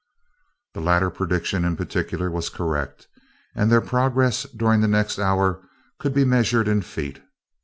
The latter prediction in particular was correct, and their progress during the next hour could be measured in feet.